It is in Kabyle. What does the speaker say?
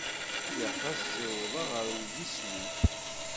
Ilaq ad ssiwḍeɣ ɣer yeswi.